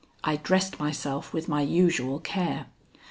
I dressed myself with my usual care.